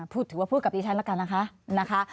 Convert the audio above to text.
ถือว่าพูดกับดิฉันแล้วกันนะคะ